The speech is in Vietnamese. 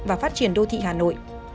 và phát triển đô thị hà nội